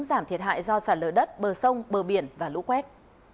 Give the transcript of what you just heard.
giảm thiệt hại do sả lỡ đất bờ sông bờ biển và lũ quét